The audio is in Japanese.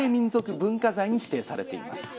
文化財に指定されています。